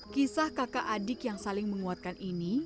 kisah kakak adik yang saling menguatkan ini